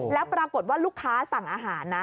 แล้วปรากฏว่าลูกค้าสั่งอาหารนะ